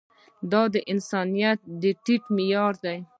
دا د انسانيت ټيټ معيار دی.